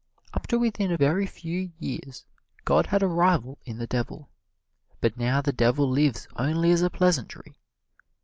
Up to within a very few years God had a rival in the Devil, but now the Devil lives only as a pleasantry.